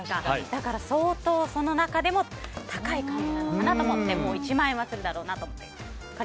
だから、相当その中でも高いかなと思って１万円はするだろうなと。